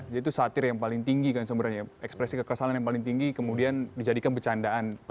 itu satir yang paling tinggi kan sebenarnya ekspresi kekesalan yang paling tinggi kemudian dijadikan bercandaan